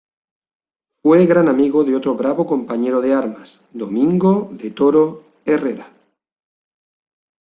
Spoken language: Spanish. Fue gran amigo de otro bravo compañero de armas, Domingo de Toro Herrera.